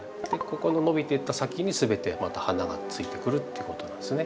ここの伸びてった先に全てまた花がついてくるっていうことなんですね。